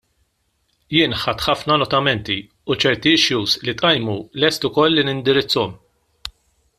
Jien ħadt ħafna notamenti u ċerti issues li tqajmu lest ukoll li nindirizzahom.